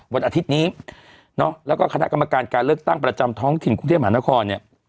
วันอาทิตย์นี้เนาะแล้วก็คณะกรรมการการเลือกตั้งประจำท้องถิ่นกรุงเทพมหานครเนี่ย